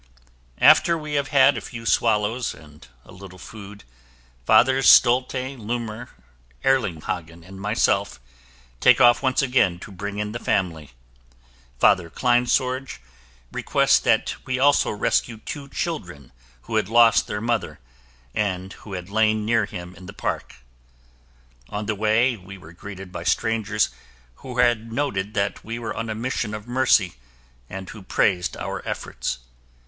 After we have had a few swallows and a little food, Fathers Stolte, Luhmer, Erlinghagen and myself, take off once again to bring in the family. Father Kleinsorge requests that we also rescue two children who had lost their mother and who had lain near him in the park. On the way, we were greeted by strangers who had noted that we were on a mission of mercy and who praised our efforts.